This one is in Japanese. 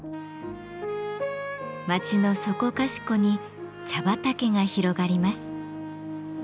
町のそこかしこに茶畑が広がります。